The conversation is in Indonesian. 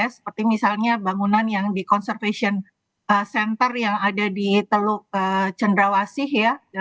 seperti misalnya bangunan yang di conservation center yang ada di teluk cendrawasih ya